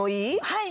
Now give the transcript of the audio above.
はい。